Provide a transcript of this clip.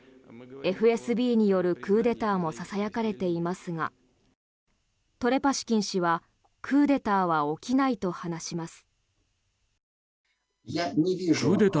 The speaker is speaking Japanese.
ＦＳＢによるクーデターもささやかれていますがトレパシキン氏はクーデターは起きないと話します。